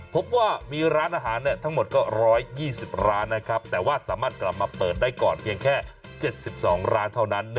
พบว่ามีร้านอาหารทั้งหมดก็๑๒๐ร้านนะครับแต่ว่าสามารถกลับมาเปิดได้ก่อนเพียงแค่๗๒ร้านเท่านั้น